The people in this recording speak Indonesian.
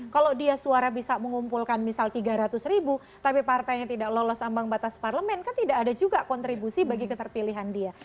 kalau dia suara bisa mengumpulkan misal tiga ratus ribu tapi partainya tidak lolos ambang batas parlemen kan tidak ada juga kontribusi bagi keterpilihan dia